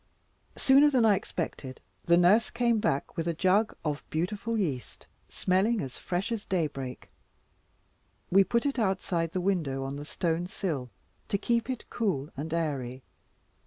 Sooner than I expected, the nurse came back with a jug of beautiful yeast, smelling as fresh as daybreak. We put it outside the window on the stone sill, to keep it cool and airy.